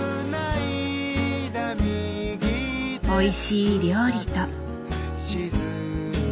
おいしい料理と。